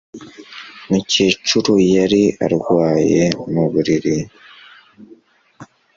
Umukecuru yari arwaye mu buriri